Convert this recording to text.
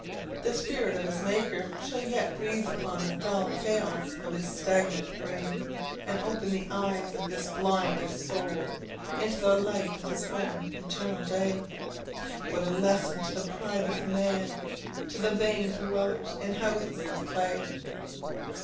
The Spirit of his Maker shall yet breathe upon the dull chaos of his stagnant brain, and open the eyes of this blind of soul into the light of his own eternal day! What a lesson to the pride of man to the vain dwellers in houses of clay!